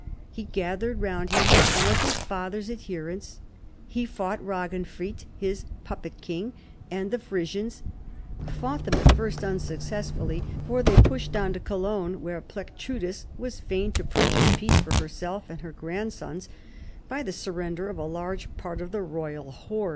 He gathered round him some of liis father's adher ents : he fought Raginfrid, his pujjpet king, and the Frisians : fought them at first unsuccessfully, for they pushed on to Cologne where Plectrudis was fain to purchase peace for herself and her grandsons by the surrender of a large part of the royal hoard.